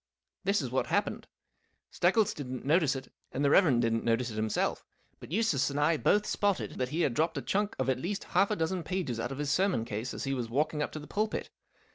This is what happened. Steggles didn't notice it, and the Rev. didn't notice it himself, but Eustace and I both spotted that he had dropped a chunk of at least half a dozen pages out of his sermon case as he was walking up to the pulpit.